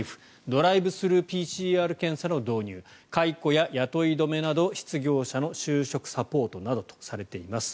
ドライブスルーＰＣＲ検査の導入解雇や雇い止めなど失業者の就職サポートなどとされています。